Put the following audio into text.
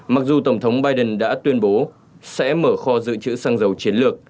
mặc dù tổng thống biden đã tuyên bố sẽ mở kho dự trữ xăng dầu chiến lược